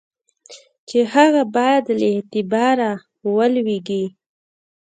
چي هغه باید له اعتباره ولوېږي.